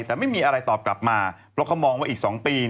แต่ไม่มีอะไรตอบกลับมาเพราะเขามองว่าอีก๒ปี